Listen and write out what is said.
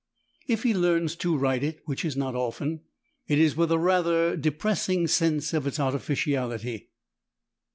If he learns to write it, which is not often, it is with a rather depressing sense of its artificiality.